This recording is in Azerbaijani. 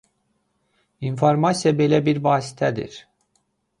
İnformasiya belə bir vasitədir.